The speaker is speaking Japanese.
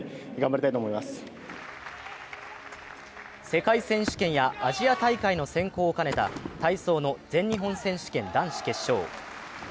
世界選手権やアジア大会の選考を兼ねた体操の全日本選手権男子決勝。